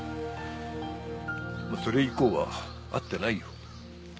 それ以降は会ってないよ。